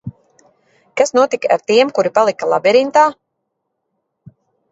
Kas notika ar tiem, kuri palika labirintā?